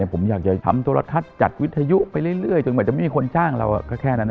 ผมอยากจะทำโทรทัศน์จัดวิทยุไปเรื่อยจนกว่าจะไม่มีคนจ้างเราก็แค่นั้น